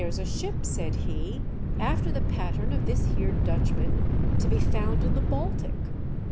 49 "There's a ship, said he, "after the pattern of this here Dutchman, to be found in the Baltic.